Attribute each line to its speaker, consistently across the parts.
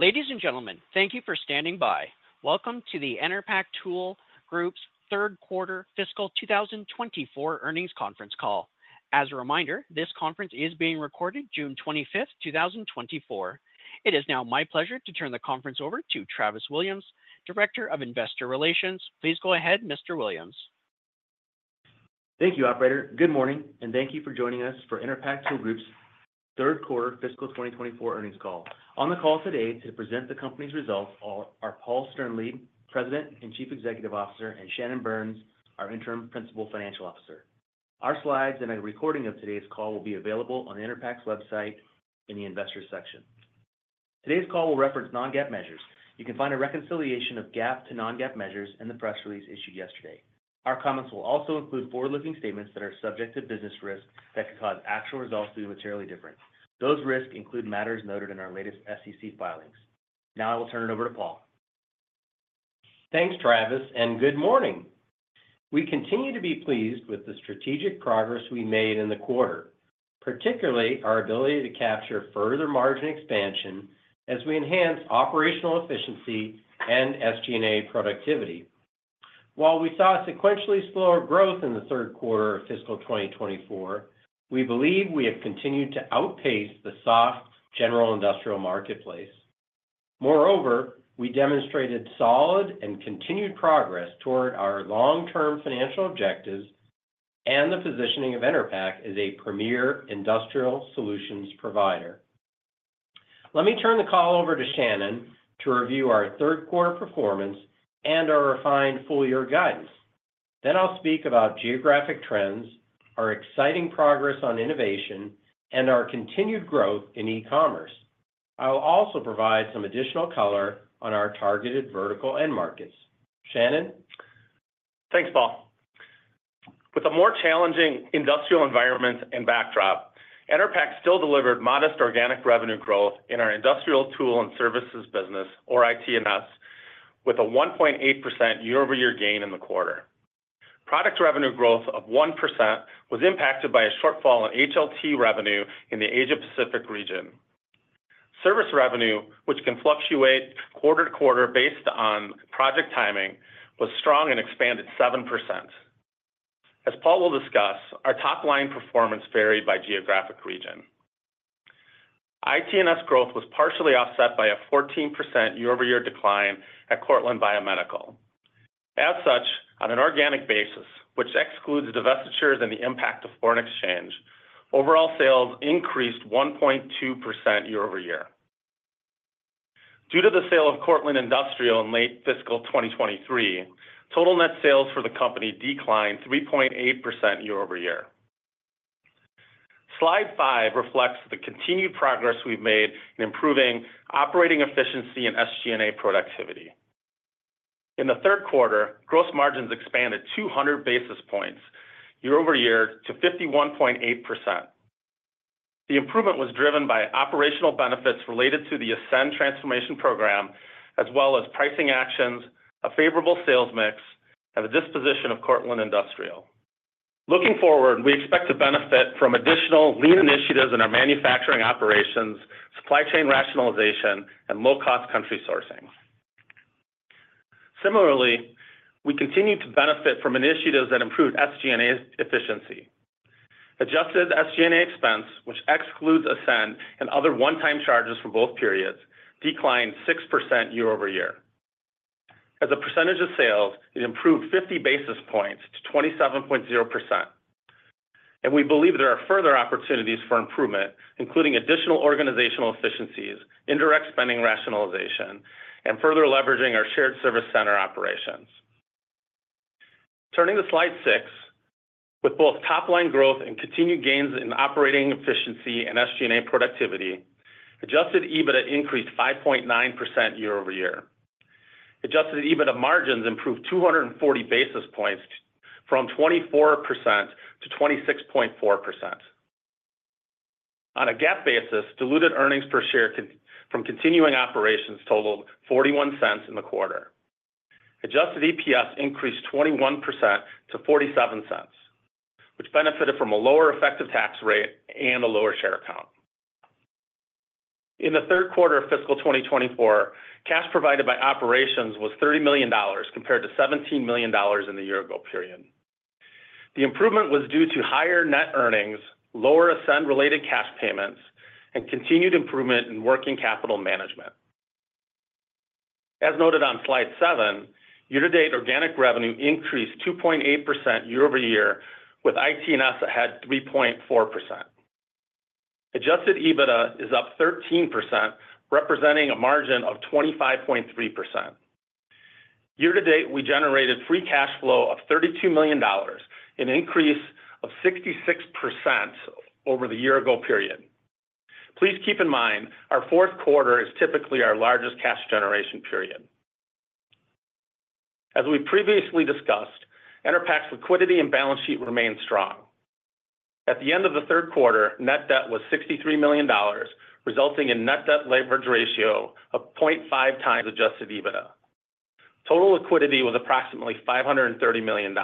Speaker 1: Ladies and gentlemen, thank you for standing by. Welcome to the Enerpac Tool Group's third quarter fiscal 2024 earnings conference call. As a reminder, this conference is being recorded June 25, 2024. It is now my pleasure to turn the conference over to Travis Williams, Director of Investor Relations. Please go ahead, Mr. Williams.
Speaker 2: Thank you, operator. Good morning, and thank you for joining us for Enerpac Tool Group's third quarter fiscal 2024 earnings call. On the call today to present the company's results are Paul Sternlieb, President and Chief Executive Officer, and Shannon Burns, our Interim Principal Financial Officer. Our slides and a recording of today's call will be available on the Enerpac Tool Group's website in the Investors section. Today's call will reference non-GAAP measures. You can find a reconciliation of GAAP to non-GAAP measures in the press release issued yesterday. Our comments will also include forward-looking statements that are subject to business risks that could cause actual results to be materially different. Those risks include matters noted in our latest SEC filings. Now I will turn it over to Paul.
Speaker 3: Thanks, Travis, and good morning! We continue to be pleased with the strategic progress we made in the quarter, particularly our ability to capture further margin expansion as we enhance operational efficiency and SG&A productivity. While we saw sequentially slower growth in the third quarter of fiscal 2024, we believe we have continued to outpace the soft general industrial marketplace. Moreover, we demonstrated solid and continued progress toward our long-term financial objectives and the positioning of Enerpac as a premier industrial solutions provider. Let me turn the call over to Shannon to review our third quarter performance and our refined full year guidance. Then I'll speak about geographic trends, our exciting progress on innovation, and our continued growth in e-commerce. I will also provide some additional color on our targeted vertical end markets. Shannon?
Speaker 4: Thanks, Paul. With a more challenging industrial environment and backdrop, Enerpac still delivered modest organic revenue growth in our industrial tool and services business, or IT&S, with a 1.8% year-over-year gain in the quarter. Product revenue growth of 1% was impacted by a shortfall in HLT revenue in the Asia-Pacific region. Service revenue, which can fluctuate quarter to quarter based on project timing, was strong and expanded 7%. As Paul will discuss, our top-line performance varied by geographic region. IT&S growth was partially offset by a 14% year-over-year decline at Cortland Biomedical. As such, on an organic basis, which excludes divestitures and the impact of foreign exchange, overall sales increased 1.2% year over year. Due to the sale of Cortland Industrial in late fiscal 2023, total net sales for the company declined 3.8% year over year. Slide five reflects the continued progress we've made in improving operating efficiency and SG&A productivity. In the third quarter, gross margins expanded 200 basis points year over year to 51.8%. The improvement was driven by operational benefits related to the ASCEND transformation program, as well as pricing actions, a favorable sales mix, and the disposition of Cortland Industrial. Looking forward, we expect to benefit from additional lean initiatives in our manufacturing operations, supply chain rationalization, and low-cost country sourcing. Similarly, we continue to benefit from initiatives that improve SG&A efficiency. Adjusted SG&A expense, which excludes ASCEND and other one-time charges for both periods, declined 6% year over year. As a percentage of sales, it improved 50 basis points to 27.0%, and we believe there are further opportunities for improvement, including additional organizational efficiencies, indirect spending rationalization, and further leveraging our shared service center operations. Turning to slide 6, with both top-line growth and continued gains in operating efficiency and SG&A productivity, adjusted EBITDA increased 5.9% year-over-year. Adjusted EBITDA margins improved 240 basis points from 24% to 26.4%. On a GAAP basis, diluted earnings per share from continuing operations totaled $0.41 in the quarter. Adjusted EPS increased 21% to $0.47, which benefited from a lower effective tax rate and a lower share count. In the third quarter of fiscal 2024, cash provided by operations was $30 million, compared to $17 million in the year ago period. The improvement was due to higher net earnings, lower ASCEND related cash payments, and continued improvement in working capital management. As noted on Slide 7, year-to-date organic revenue increased 2.8% year-over-year, with IT&S ahead 3.4%. Adjusted EBITDA is up 13%, representing a margin of 25.3%. Year-to-date, we generated free cash flow of $32 million, an increase of 66% over the year-ago period. Please keep in mind, our fourth quarter is typically our largest cash generation period. As we previously discussed, Enerpac's liquidity and balance sheet remain strong. At the end of the third quarter, net debt was $63 million, resulting in net debt leverage ratio of 0.5 times adjusted EBITDA. Total liquidity was approximately $530 million.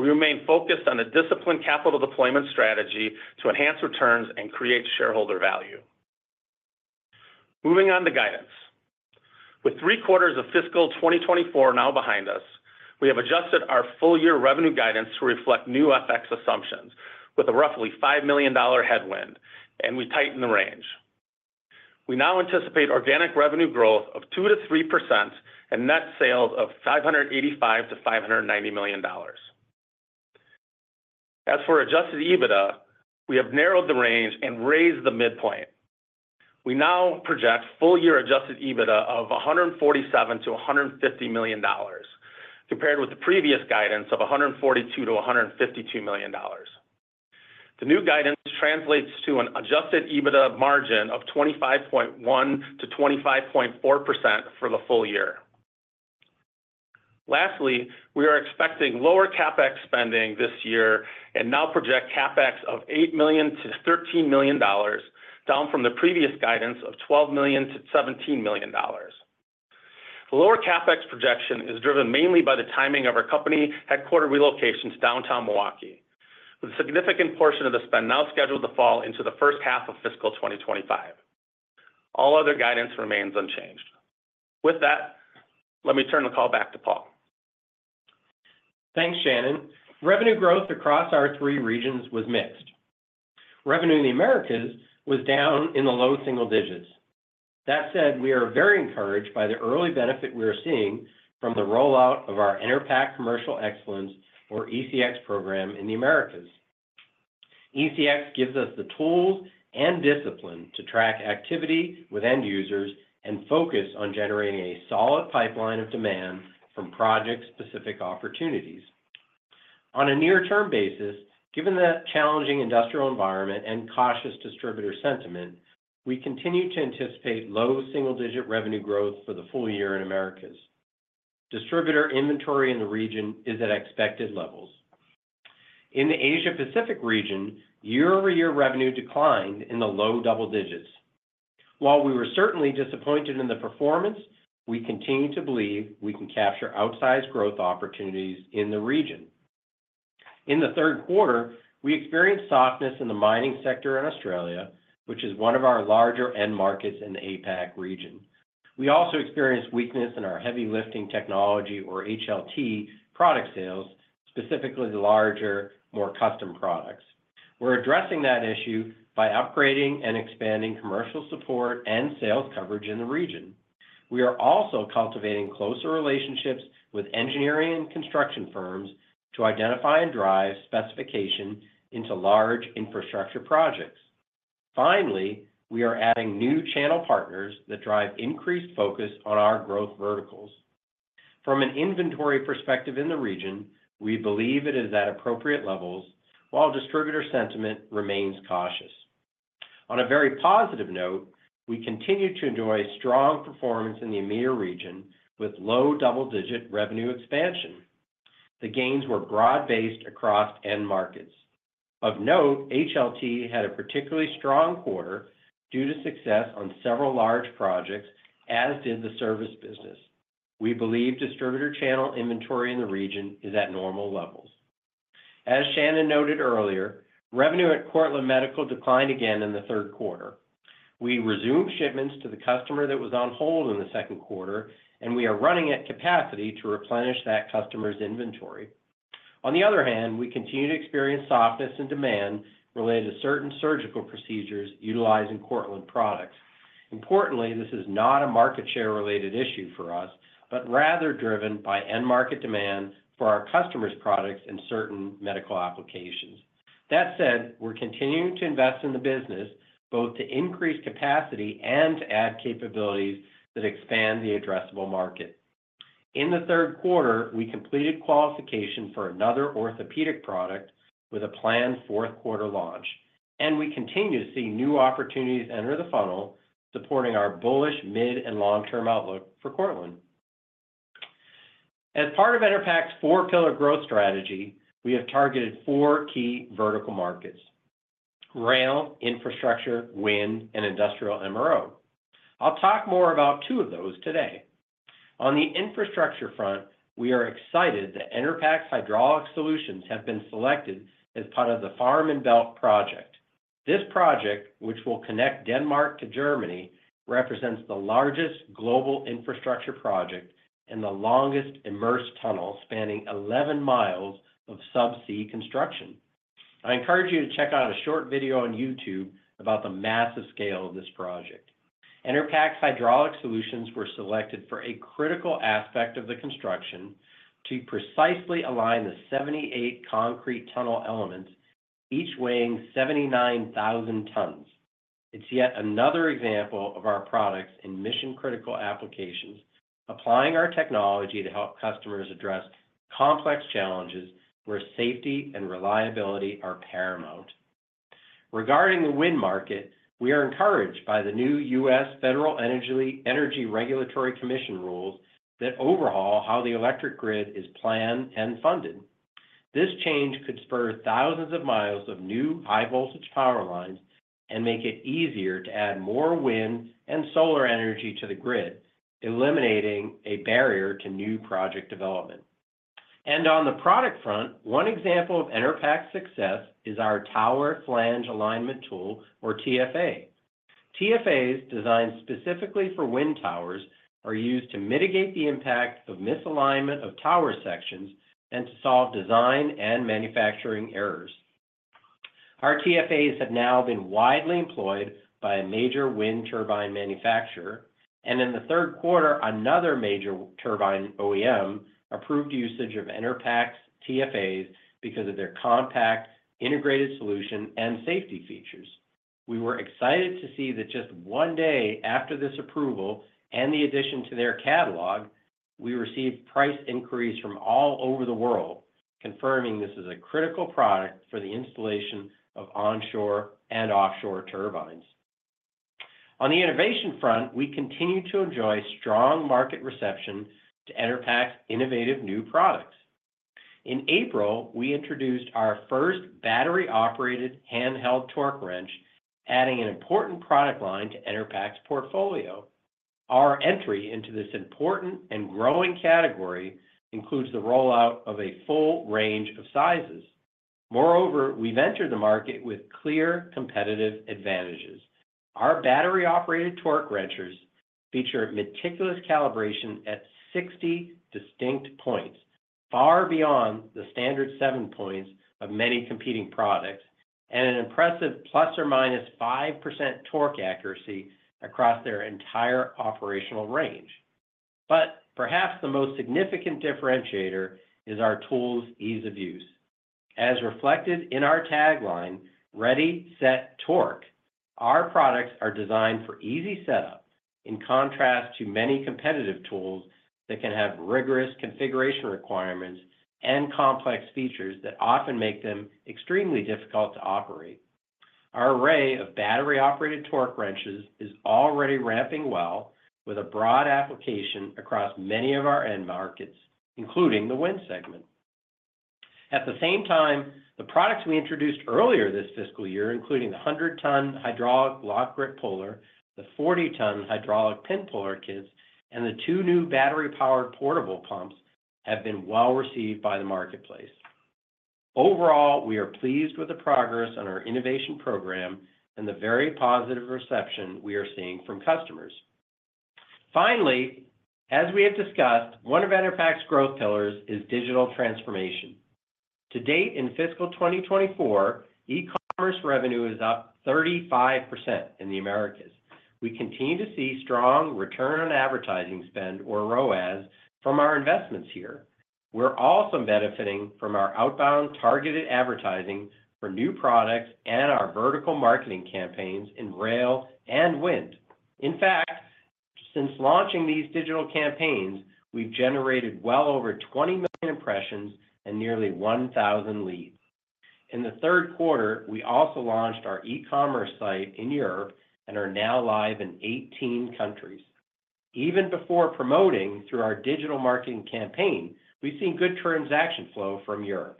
Speaker 4: We remain focused on a disciplined capital deployment strategy to enhance returns and create shareholder value. Moving on to guidance. With 3 quarters of fiscal 2024 now behind us, we have adjusted our full year revenue guidance to reflect new FX assumptions, with a roughly $5 million headwind, and we tighten the range. We now anticipate organic revenue growth of 2%-3% and net sales of $585 million-$590 million. As for adjusted EBITDA, we have narrowed the range and raised the midpoint. We now project full year adjusted EBITDA of $147 million-$150 million, compared with the previous guidance of $142 million-$152 million. The new guidance translates to an adjusted EBITDA margin of 25.1%-25.4% for the full year. Lastly, we are expecting lower CapEx spending this year and now project CapEx of $8 million-$13 million, down from the previous guidance of $12 million-$17 million. The lower CapEx projection is driven mainly by the timing of our company headquarters relocation to downtown Milwaukee, with a significant portion of the spend now scheduled to fall into the first half of fiscal 2025. All other guidance remains unchanged. With that, let me turn the call back to Paul.
Speaker 3: Thanks, Shannon. Revenue growth across our three regions was mixed. Revenue in the Americas was down in the low single digits. That said, we are very encouraged by the early benefit we are seeing from the rollout of our Enerpac Commercial Excellence, or ECX program, in the Americas. ECX gives us the tools and discipline to track activity with end users and focus on generating a solid pipeline of demand from project-specific opportunities. On a near-term basis, given the challenging industrial environment and cautious distributor sentiment, we continue to anticipate low single-digit revenue growth for the full year in Americas. Distributor inventory in the region is at expected levels. In the Asia Pacific region, year-over-year revenue declined in the low double digits. While we were certainly disappointed in the performance, we continue to believe we can capture outsized growth opportunities in the region. In the third quarter, we experienced softness in the mining sector in Australia, which is one of our larger end markets in the APAC region. We also experienced weakness in our Heavy Lifting Technology, or HLT, product sales, specifically the larger, more custom products. We're addressing that issue by upgrading and expanding commercial support and sales coverage in the region. We are also cultivating closer relationships with engineering and construction firms to identify and drive specification into large infrastructure projects. Finally, we are adding new channel partners that drive increased focus on our growth verticals. From an inventory perspective in the region, we believe it is at appropriate levels, while distributor sentiment remains cautious. On a very positive note, we continue to enjoy strong performance in the EMEA region, with low double-digit revenue expansion. The gains were broad-based across end markets. Of note, HLT had a particularly strong quarter due to success on several large projects, as did the service business. We believe distributor channel inventory in the region is at normal levels. As Shannon noted earlier, revenue at Cortland Biomedical declined again in the third quarter. We resumed shipments to the customer that was on hold in the second quarter, and we are running at capacity to replenish that customer's inventory. On the other hand, we continue to experience softness in demand related to certain surgical procedures utilizing Cortland products. Importantly, this is not a market share-related issue for us, but rather driven by end market demand for our customers' products in certain medical applications. That said, we're continuing to invest in the business, both to increase capacity and to add capabilities that expand the addressable market. In the third quarter, we completed qualification for another orthopedic product with a planned fourth quarter launch, and we continue to see new opportunities enter the funnel, supporting our bullish mid and long-term outlook for Cortland. As part of Enerpac's four-pillar growth strategy, we have targeted four key vertical markets: rail, infrastructure, wind, and industrial MRO. I'll talk more about two of those today. On the infrastructure front, we are excited that Enerpac's hydraulic solutions have been selected as part of the Fehmarnbelt project. This project, which will connect Denmark to Germany, represents the largest global infrastructure project and the longest immersed tunnel, spanning 11 miles of subsea construction. I encourage you to check out a short video on YouTube about the massive scale of this project. Enerpac's hydraulic solutions were selected for a critical aspect of the construction to precisely align the 78 concrete tunnel elements, each weighing 79,000 tons. It's yet another example of our products in mission-critical applications, applying our technology to help customers address complex challenges where safety and reliability are paramount. Regarding the wind market, we are encouraged by the new U.S. Federal Energy Regulatory Commission rules that overhaul how the electric grid is planned and funded. This change could spur thousands of miles of new high-voltage power lines and make it easier to add more wind and solar energy to the grid, eliminating a barrier to new project development. On the product front, one example of Enerpac's success is our Tower Flange Alignment Tool, or TFA. TFAs, designed specifically for wind towers, are used to mitigate the impact of misalignment of tower sections and to solve design and manufacturing errors. Our TFAs have now been widely employed by a major wind turbine manufacturer, and in the third quarter, another major turbine OEM approved usage of Enerpac's TFAs because of their compact, integrated solution, and safety features. We were excited to see that just one day after this approval and the addition to their catalog, we received price inquiries from all over the world, confirming this is a critical product for the installation of onshore and offshore turbines. On the innovation front, we continue to enjoy strong market reception to Enerpac's innovative new products. In April, we introduced our first battery-operated handheld torque wrench, adding an important product line to Enerpac's portfolio. Our entry into this important and growing category includes the rollout of a full range of sizes. Moreover, we've entered the market with clear competitive advantages. Our battery-operated torque wrenches feature meticulous calibration at 60 distinct points, far beyond the standard 7 points of many competing products, and an impressive ±5% torque accuracy across their entire operational range. But perhaps the most significant differentiator is our tool's ease of use. As reflected in our tagline, "Ready, Set, Torque!" Our products are designed for easy setup, in contrast to many competitive tools that can have rigorous configuration requirements and complex features that often make them extremely difficult to operate. Our array of battery-operated torque wrenches is already ramping well with a broad application across many of our end markets, including the wind segment. At the same time, the products we introduced earlier this fiscal year, including the 100-ton Hydraulic Lock-Grip Puller, the 40-ton Hydraulic Pin Puller Kits, and the 2 new battery-powered portable pumps, have been well received by the marketplace. Overall, we are pleased with the progress on our innovation program and the very positive reception we are seeing from customers. Finally, as we have discussed, one of Enerpac's growth pillars is digital transformation. To date, in fiscal 2024, e-commerce revenue is up 35% in the Americas. We continue to see strong return on advertising spend, or ROAS, from our investments here. We're also benefiting from our outbound targeted advertising for new products and our vertical marketing campaigns in rail and wind. In fact, since launching these digital campaigns, we've generated well over 20 million impressions and nearly 1,000 leads. In the third quarter, we also launched our e-commerce site in Europe and are now live in 18 countries. Even before promoting through our digital marketing campaign, we've seen good transaction flow from Europe.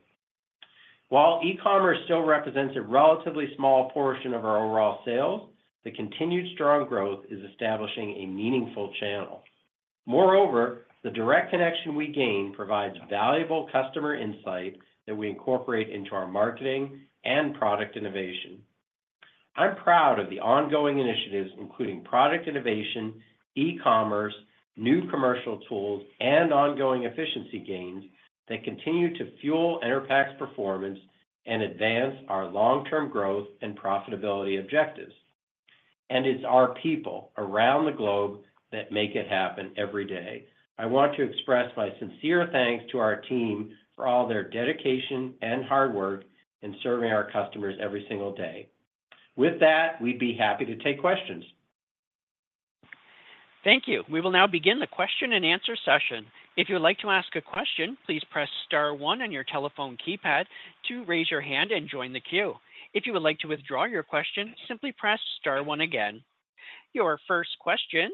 Speaker 3: While e-commerce still represents a relatively small portion of our overall sales, the continued strong growth is establishing a meaningful channel. Moreover, the direct connection we gain provides valuable customer insight that we incorporate into our marketing and product innovation. I'm proud of the ongoing initiatives, including product innovation, e-commerce, new commercial tools, and ongoing efficiency gains that continue to fuel Enerpac's performance and advance our long-term growth and profitability objectives. It's our people around the globe that make it happen every day. I want to express my sincere thanks to our team for all their dedication and hard work in serving our customers every single day. With that, we'd be happy to take questions.
Speaker 1: Thank you. We will now begin the question and answer session. If you would like to ask a question, please press star one on your telephone keypad to raise your hand and join the queue. If you would like to withdraw your question, simply press star one again. Your first question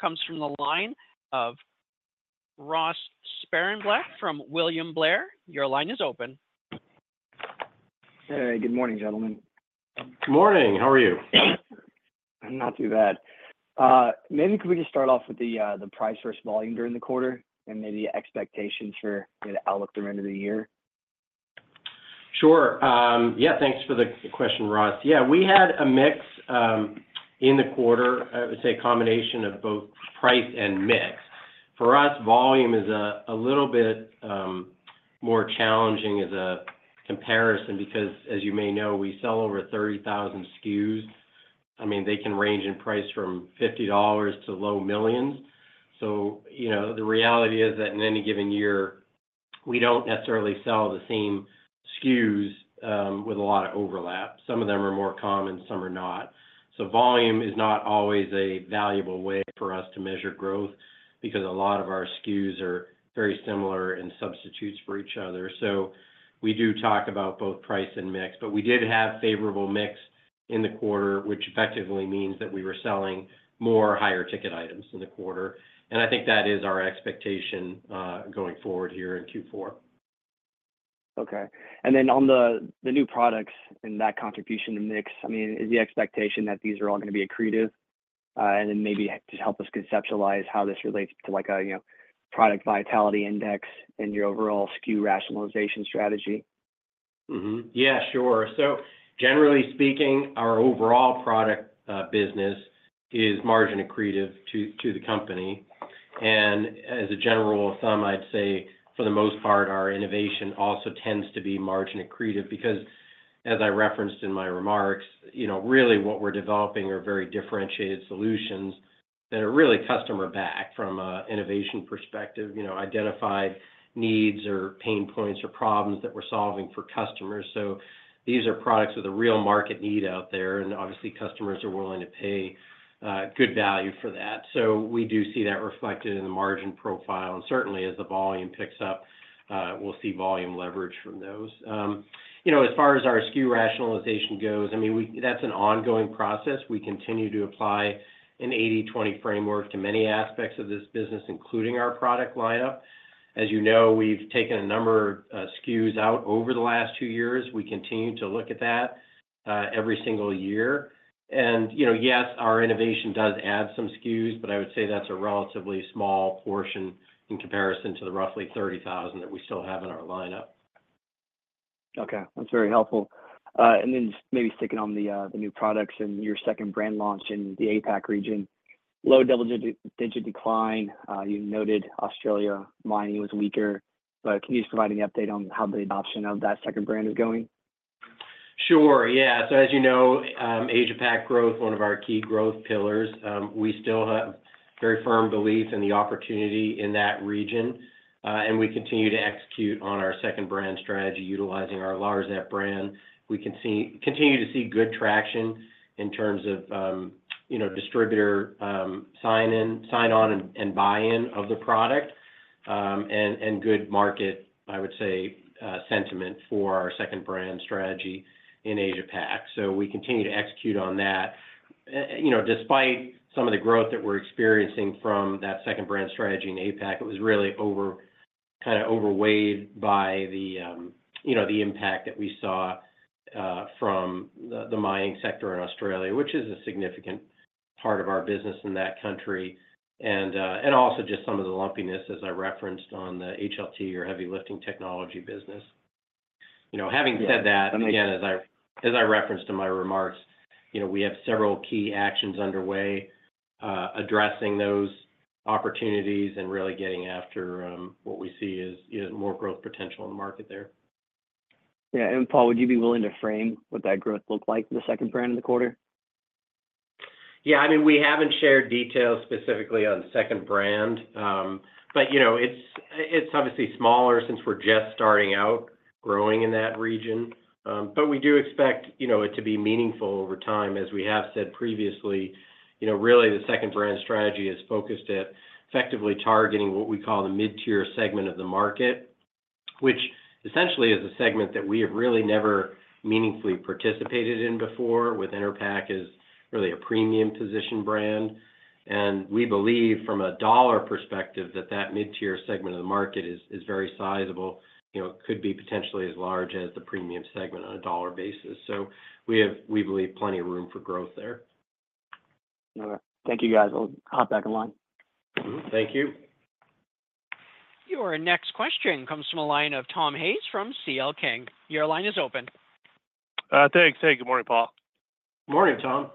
Speaker 1: comes from the line of Ross Sparenblek from William Blair. Your line is open.
Speaker 5: Hey, good morning, gentlemen.
Speaker 3: Good morning. How are you?
Speaker 5: I'm not too bad. Maybe could we just start off with the price versus volume during the quarter, and maybe expectations for the outlook the end of the year?
Speaker 3: Sure. Yeah, thanks for the question, Ross. Yeah, we had a mix in the quarter. I would say a combination of both price and mix. For us, volume is a little bit more challenging as a comparison, because as you may know, we sell over 30,000 SKUs. I mean, they can range in price from $50 to low millions. So, you know, the reality is that in any given year, we don't necessarily sell the same SKUs with a lot of overlap. Some of them are more common, some are not. So volume is not always a valuable way for us to measure growth because a lot of our SKUs are very similar and substitutes for each other. So we do talk about both price and mix, but we did have favorable mix in the quarter, which effectively means that we were selling more higher ticket items in the quarter. And I think that is our expectation, going forward here in Q4.
Speaker 5: Okay. And then on the new products and that contribution mix, I mean, is the expectation that these are all gonna be accretive? And then maybe just help us conceptualize how this relates to, like, a, you know, product vitality index and your overall SKU rationalization strategy.
Speaker 3: Mm-hmm. Yeah, sure. So generally speaking, our overall product business is margin accretive to, to the company. And as a general rule of thumb, I'd say, for the most part, our innovation also tends to be margin accretive, because as I referenced in my remarks, you know, really what we're developing are very differentiated solutions that are really customer-backed from a innovation perspective, you know, identified needs or pain points or problems that we're solving for customers. So these are products with a real market need out there, and obviously, customers are willing to pay good value for that. So we do see that reflected in the margin profile, and certainly, as the volume picks up, we'll see volume leverage from those. You know, as far as our SKU rationalization goes, I mean, we, that's an ongoing process. We continue to apply an 80/20 framework to many aspects of this business, including our product lineup. As you know, we've taken a number of SKUs out over the last two years. We continue to look at that every single year. You know, yes, our innovation does add some SKUs, but I would say that's a relatively small portion in comparison to the roughly 30,000 that we still have in our lineup.
Speaker 5: Okay, that's very helpful. And then just maybe sticking on the new products and your second brand launch in the APAC region. Low double-digit decline. You noted Australia mining was weaker, but can you just provide any update on how the adoption of that second brand is going?
Speaker 3: Sure. Yeah. So as you know, Asia-Pac growth, one of our key growth pillars, we still have very firm belief in the opportunity in that region, and we continue to execute on our second brand strategy utilizing our Larzep brand. We continue to see good traction in terms of, you know, distributor, sign-in, sign-on, and, and buy-in of the product, and, and good market, I would say, sentiment for our second brand strategy in Asia-Pac. So we continue to execute on that. You know, despite some of the growth that we're experiencing from that second brand strategy in APAC, it was really over, kinda overweighed by the, you know, the impact that we saw, from the, the mining sector in Australia, which is a significant part of our business in that country, and, and also just some of the lumpiness, as I referenced, on the HLT or Heavy Lifting Technology business. You know, having said that, again, as I, as I referenced in my remarks, you know, we have several key actions underway, addressing those opportunities and really getting after, what we see as, you know, more growth potential in the market there.
Speaker 5: Yeah, and Paul, would you be willing to frame what that growth looked like for the second brand in the quarter?
Speaker 3: Yeah, I mean, we haven't shared details specifically on the second brand. But, you know, it's, it's obviously smaller since we're just starting out growing in that region. But we do expect, you know, it to be meaningful over time. As we have said previously, you know, really, the second brand strategy is focused at effectively targeting what we call the mid-tier segment of the market, which essentially is a segment that we have really never meaningfully participated in before, with Enerpac as really a premium position brand. And we believe, from a dollar perspective, that that mid-tier segment of the market is, is very sizable, you know, could be potentially as large as the premium segment on a dollar basis. So we have, we believe, plenty of room for growth there.
Speaker 5: All right. Thank you, guys. I'll hop back in line.
Speaker 3: Thank you.
Speaker 1: Your next question comes from the line of Tom Hayes from C.L. King. Your line is open.
Speaker 6: Thanks. Hey, good morning, Paul.
Speaker 3: Morning, Tom.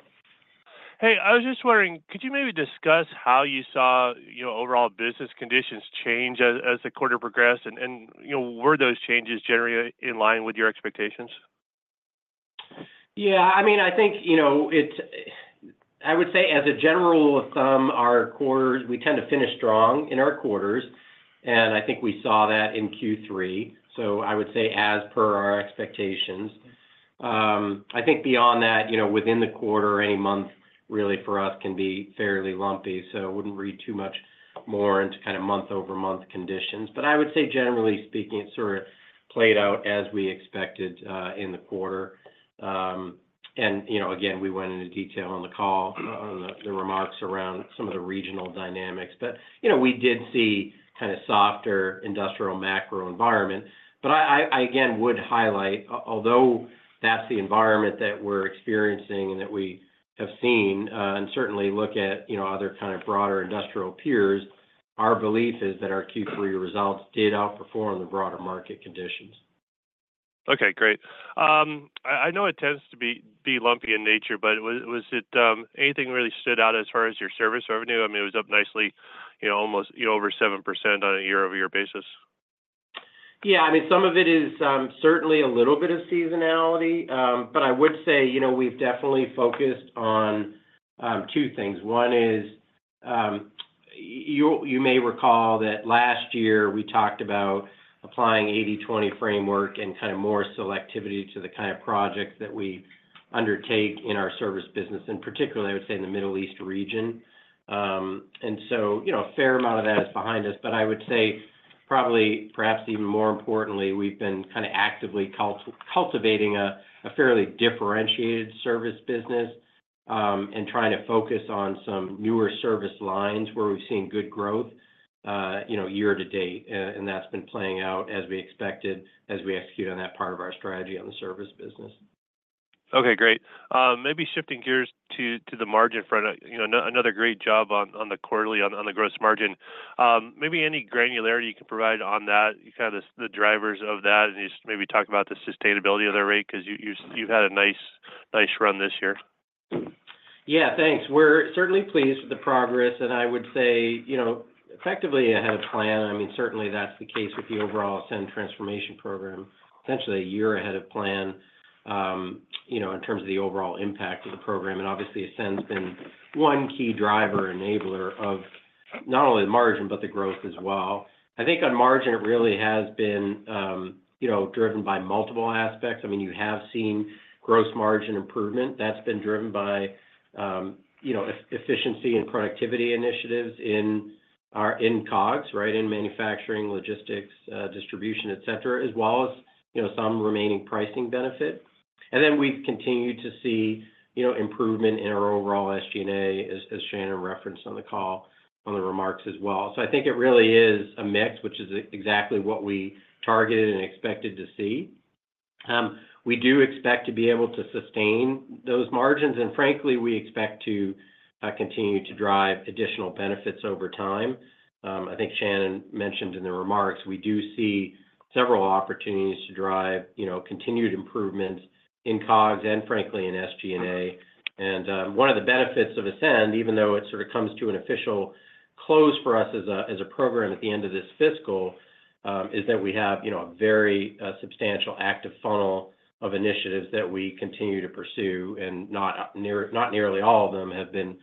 Speaker 6: Hey, I was just wondering, could you maybe discuss how you saw, you know, overall business conditions change as the quarter progressed? And, you know, were those changes generally in line with your expectations?
Speaker 3: Yeah, I mean, I think, you know, it's-- I would say as a general rule of thumb, our quarters, we tend to finish strong in our quarters, and I think we saw that in Q3, so I would say as per our expectations. I think beyond that, you know, within the quarter, any month really for us can be fairly lumpy, so I wouldn't read too much more into kind of month-over-month conditions. But I would say, generally speaking, it sort of played out as we expected, in the quarter. And, you know, again, we went into detail on the call, on the, the remarks around some of the regional dynamics. But, you know, we did see kinda softer industrial macro environment. But I again would highlight, although that's the environment that we're experiencing and that we have seen, and certainly look at, you know, other kind of broader industrial peers, our belief is that our Q3 results did outperform the broader market conditions.
Speaker 6: Okay, great. I know it tends to be lumpy in nature, but was it anything really stood out as far as your service revenue? I mean, it was up nicely, you know, almost, you know, over 7% on a year-over-year basis.
Speaker 3: Yeah, I mean, some of it is certainly a little bit of seasonality. But I would say, you know, we've definitely focused on two things. One is, you may recall that last year we talked about applying 80/20 framework and kind of more selectivity to the kind of projects that we undertake in our service business, and particularly, I would say, in the Middle East region. And so, you know, a fair amount of that is behind us, but I would say probably, perhaps even more importantly, we've been kinda actively cultivating a fairly differentiated service business, and trying to focus on some newer service lines where we've seen good growth, you know, year to date. And that's been playing out as we expected, as we execute on that part of our strategy on the service business.
Speaker 6: Okay, great. Maybe shifting gears to the margin front. You know, another great job on the quarterly gross margin. Maybe any granularity you can provide on that, kind of the drivers of that, and just maybe talk about the sustainability of that rate, 'cause you've had a nice run this year.
Speaker 3: Yeah, thanks. We're certainly pleased with the progress, and I would say, you know, effectively ahead of plan, I mean, certainly that's the case with the overall ASCEND transformation program, essentially a year ahead of plan, you know, in terms of the overall impact of the program. And obviously, ASCEND's been one key driver enabler of not only the margin, but the growth as well. I think on margin, it really has been, you know, driven by multiple aspects. I mean, you have seen gross margin improvement. That's been driven by, you know, efficiency and productivity initiatives in our COGS, right? In manufacturing, logistics, distribution, et cetera, as well as, you know, some remaining pricing benefit. And then we've continued to see, you know, improvement in our overall SG&A, as Shannon referenced on the call, on the remarks as well. So I think it really is a mix, which is exactly what we targeted and expected to see. We do expect to be able to sustain those margins, and frankly, we expect to continue to drive additional benefits over time. I think Shannon mentioned in the remarks, we do see several opportunities to drive, you know, continued improvement in COGS and frankly, in SG&A. And one of the benefits of ASCEND, even though it sort of comes to an official close for us as a program at the end of this fiscal, is that we have, you know, a very substantial active funnel of initiatives that we continue to pursue, and not nearly all of them have been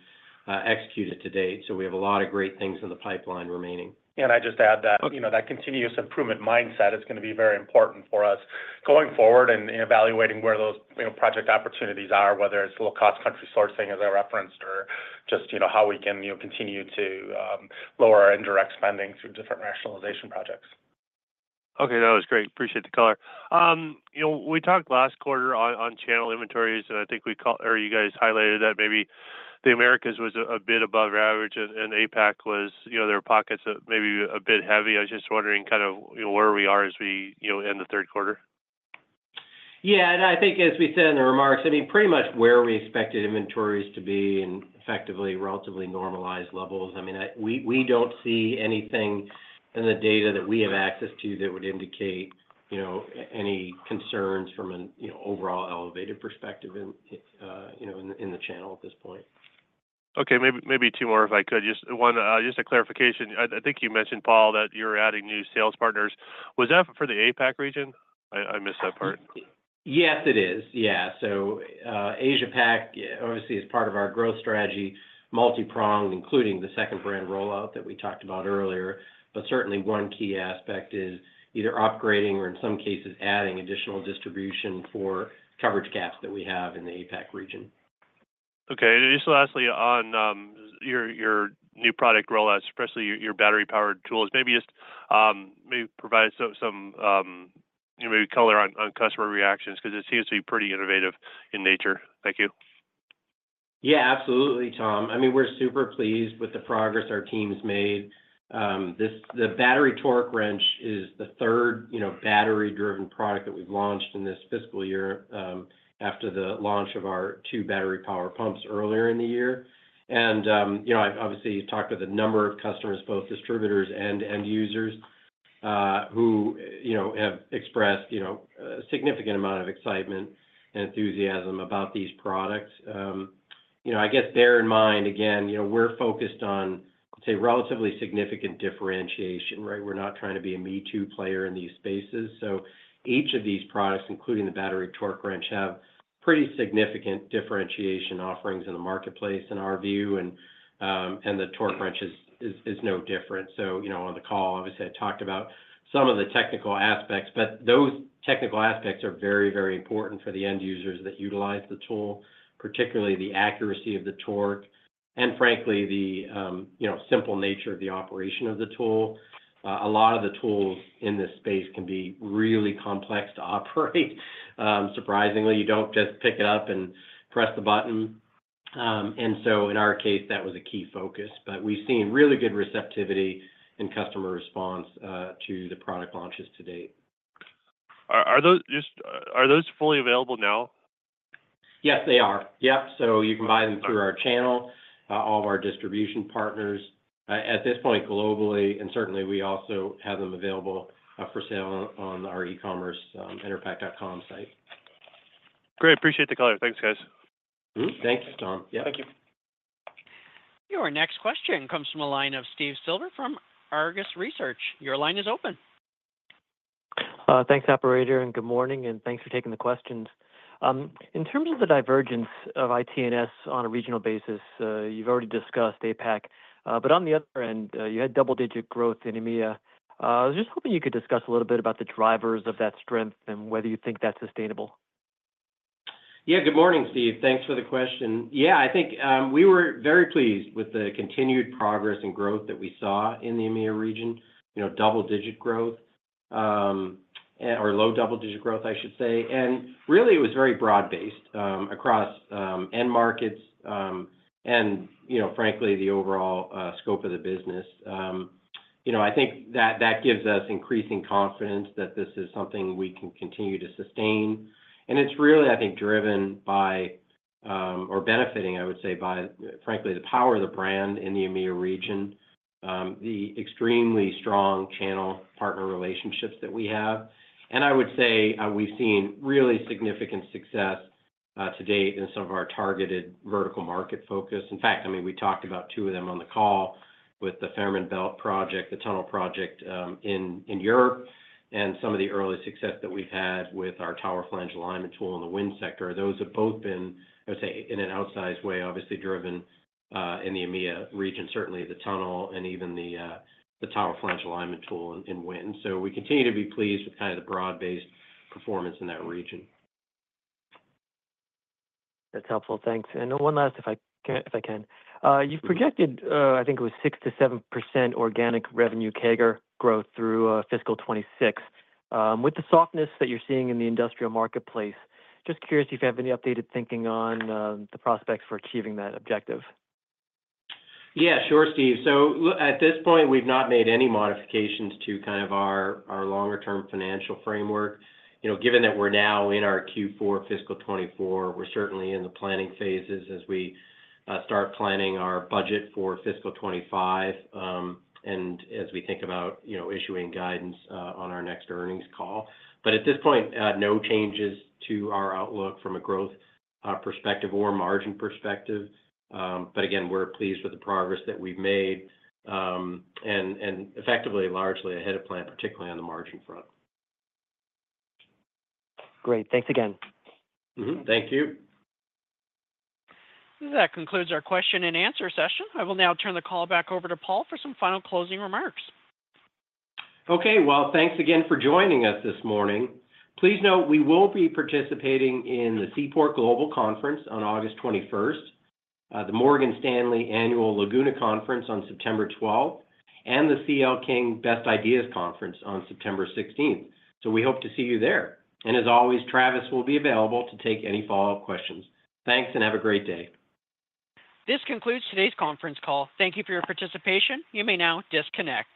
Speaker 3: executed to date. So we have a lot of great things in the pipeline remaining.
Speaker 4: I'd just add that.
Speaker 6: Okay.
Speaker 4: You know, that continuous improvement mindset is gonna be very important for us going forward and, and evaluating where those, you know, project opportunities are, whether it's low-cost country sourcing, as I referenced, or just, you know, how we can, you know, continue to lower our indirect spending through different rationalization projects.
Speaker 6: Okay, that was great. Appreciate the color. You know, we talked last quarter on channel inventories, and I think or you guys highlighted that maybe the Americas was a bit above average, and APAC was, you know, there were pockets of maybe a bit heavy. I was just wondering kind of, you know, where we are as we end the third quarter.
Speaker 3: Yeah, and I think as we said in the remarks, I mean, pretty much where we expected inventories to be and effectively relatively normalized levels. I mean, we don't see anything in the data that we have access to that would indicate, you know, any concerns from an, you know, overall elevated perspective in the channel at this point.
Speaker 6: Okay, maybe, maybe two more, if I could, just one, just a clarification. I think you mentioned, Paul, that you're adding new sales partners. Was that for the APAC region? I missed that part.
Speaker 3: Yes, it is. Yeah. So, Asia-Pac, obviously, is part of our growth strategy, multi-pronged, including the second brand rollout that we talked about earlier. But certainly one key aspect is either upgrading or in some cases, adding additional distribution for coverage gaps that we have in the APAC region.
Speaker 6: Okay. Just lastly, on your new product rollout, especially your battery-powered tools, maybe just provide some, you know, maybe color on customer reactions, 'cause it seems to be pretty innovative in nature? Thank you.
Speaker 3: Yeah, absolutely, Tom. I mean, we're super pleased with the progress our team's made. This, the battery torque wrench is the third, you know, battery-driven product that we've launched in this fiscal year, after the launch of our two battery power pumps earlier in the year. And, you know, I've obviously talked with a number of customers, both distributors and end users, who, you know, have expressed, you know, a significant amount of excitement and enthusiasm about these products. You know, I guess they're in mind, again, you know, we're focused on, let's say, relatively significant differentiation, right? We're not trying to be a me-too player in these spaces. So each of these products, including the battery torque wrench, have pretty significant differentiation offerings in the marketplace, in our view, and the torque wrench is no different. So, you know, on the call, obviously, I talked about some of the technical aspects, but those technical aspects are very, very important for the end users that utilize the tool, particularly the accuracy of the torque and frankly, the, you know, simple nature of the operation of the tool. A lot of the tools in this space can be really complex to operate. Surprisingly, you don't just pick it up and press the button. And so in our case, that was a key focus. But we've seen really good receptivity and customer response to the product launches to date.
Speaker 6: Are those fully available now?
Speaker 3: Yes, they are. Yep. So you can buy them through our channel, all of our distribution partners, at this point, globally, and certainly we also have them available, for sale on, on our e-commerce, enerpac.com site.
Speaker 6: Great. Appreciate the color. Thanks, guys.
Speaker 3: Mm-hmm. Thanks, Tom.
Speaker 4: Yeah. Thank you.
Speaker 1: Your next question comes from the line of Steve Silver from Argus Research. Your line is open.
Speaker 7: Thanks, operator, and good morning, and thanks for taking the questions. In terms of the divergence of IT&S on a regional basis, you've already discussed APAC, but on the other end, you had double-digit growth in EMEA. I was just hoping you could discuss a little bit about the drivers of that strength and whether you think that's sustainable.
Speaker 3: Yeah. Good morning, Steve. Thanks for the question. Yeah, I think we were very pleased with the continued progress and growth that we saw in the EMEA region. You know, double-digit growth, or low double-digit growth, I should say. And really, it was very broad-based across end markets, and, you know, frankly, the overall scope of the business. You know, I think that that gives us increasing confidence that this is something we can continue to sustain. And it's really, I think, driven by, or benefiting, I would say, by, frankly, the power of the brand in the EMEA region, the extremely strong channel partner relationships that we have. And I would say we've seen really significant success to date in some of our targeted vertical market focus. In fact, I mean, we talked about two of them on the call with the Fehmarnbelt project, the tunnel project, in Europe, and some of the early success that we've had with our Tower Flange Alignment Tool in the wind sector. Those have both been, I would say, in an outsized way, obviously driven in the EMEA region, certainly the tunnel and even the Tower Flange Alignment Tool in wind. So we continue to be pleased with kind of the broad-based performance in that region.
Speaker 7: That's helpful. Thanks. And one last, if I can, if I can. You've projected, I think it was 6%-7% organic revenue CAGR growth through fiscal 2026. With the softness that you're seeing in the industrial marketplace, just curious if you have any updated thinking on the prospects for achieving that objective?
Speaker 3: Yeah, sure, Steve. So at this point, we've not made any modifications to kind of our, our longer term financial framework. You know, given that we're now in our Q4 fiscal 2024, we're certainly in the planning phases as we start planning our budget for fiscal 2025, and as we think about, you know, issuing guidance on our next earnings call. But at this point, no changes to our outlook from a growth perspective or margin perspective. But again, we're pleased with the progress that we've made, and effectively, largely ahead of plan, particularly on the margin front.
Speaker 7: Great. Thanks again.
Speaker 3: Mm-hmm. Thank you.
Speaker 1: That concludes our question and answer session. I will now turn the call back over to Paul for some final closing remarks.
Speaker 3: Okay, well, thanks again for joining us this morning. Please note, we will be participating in the Seaport Global Conference on August 21st, the Morgan Stanley Annual Laguna Conference on September 12th, and the C.L. King Best Ideas Conference on September 16th. So we hope to see you there. And as always, Travis will be available to take any follow-up questions. Thanks, and have a great day.
Speaker 1: This concludes today's conference call. Thank you for your participation. You may now disconnect.